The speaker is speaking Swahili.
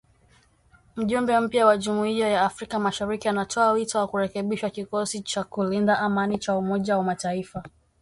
Mjumbe mpya wa Jumuiya ya Afrika Mashariki anatoa wito wa kurekebishwa kikosi cha kulinda amani cha umoja wa mataifa.